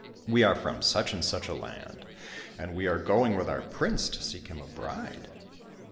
We are from such and such a land, and we are going with our prince to seek him a bride."